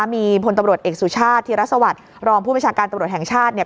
มีพลตำรวจเอกสุชาติธิรสวัสดิ์รองผู้บัญชาการตำรวจแห่งชาติเนี่ย